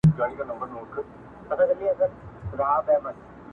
هر يو مشر مو تړلی په ځنځير دی